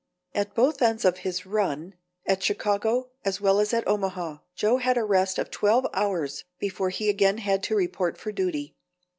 At both ends of his "run", at Chicago, as well as at Omaha, Joe had a rest of twelve hours before he again had to report for duty.